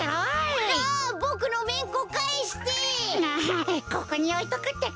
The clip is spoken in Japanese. あここにおいとくってか。